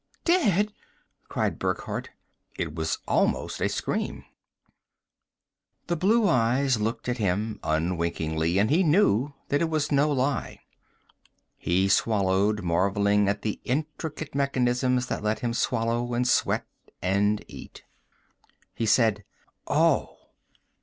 "Dead?" cried Burckhardt; it was almost a scream. The blue eyes looked at him unwinkingly and he knew that it was no lie. He swallowed, marveling at the intricate mechanisms that let him swallow, and sweat, and eat. He said: "Oh.